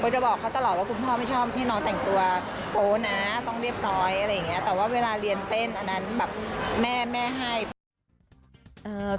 ก็จะบอกเขาตลอดว่าคุณพ่อไม่ชอบให้น้องแต่งตัวโปรนะต้องเรียบร้อยอะไรอย่างนี้